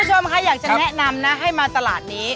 คุณผู้ชมค่ะอยากจะแนะนำนะให้มาตลาดนี้